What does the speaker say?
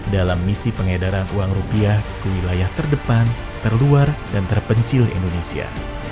dalam misi pengedaran uang rupiah ke wilayah terdepan terluar dan terpencil indonesia